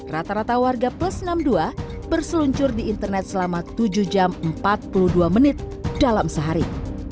rata rata warga plus enam puluh dua berseluncur di internet selama tujuh jam empat puluh dua menit dalam sehari